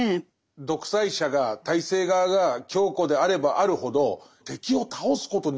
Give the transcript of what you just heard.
独裁者が体制側が強固であればあるほど敵を倒すことに燃えると思うんですけど。